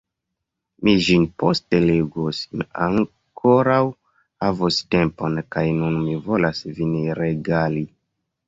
Mi ĝin poste legos, mi ankoraŭ havos tempon, kaj nun mi volas vin regali.